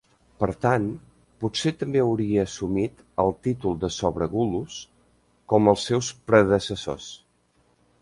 Per tant, potser també hauria assumit el títol de "subregulus" com els seus predecessors.